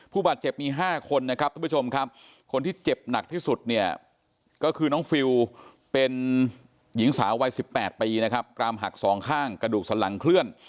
ผู้บาดเจ็บมี๕คนนะครับทุกผู้ชมครับคนที่เจ็บหนักที่สุดเนี่ยก็คือน้องฟิลเป็นหญิงสาววัย๑๘ปีนะครับกรามหักสองข้างกระดูกสันหลังเคลื่อน